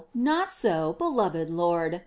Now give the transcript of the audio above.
not so, beloved Lord !